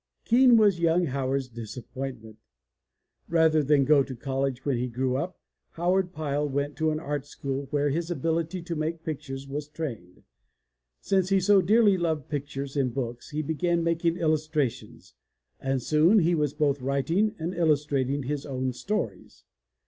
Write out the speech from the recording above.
Keen was young Howard's disappointment. Rather than go to college when he grew up, Howard Pyle went to an art school where his ability to make pictures was trained. Since he so dearly loved pictures in books he began making illus trations and soon he was both writing and illustrating his own stories.